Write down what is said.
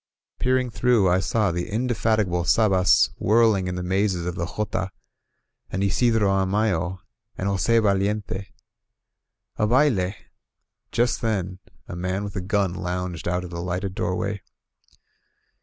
Peering through, I saw the indefatigable Sabas whirl ing in the mazes of the jota, and Isidro Amayo, and Jos^ Valiente. A baUe! Just then a man with a gun lounged out of the lighted doorway.